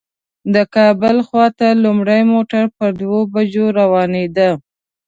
د کابل خواته لومړی موټر په دوو بجو روانېده.